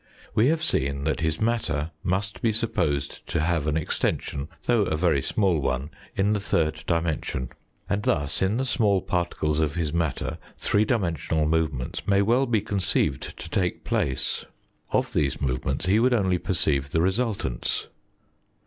We have seen that his matter must be supposed to have an extension, though a very small one, in the third dimension. And thus, in the small particles of his matter, three dimensional movements may well be con ceived to take place. Of these movements he would only perceive the resultants.